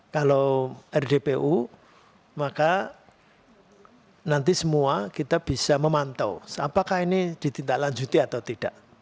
kalau rdpu maka nanti semua kita bisa memantau apakah ini ditindaklanjuti atau tidak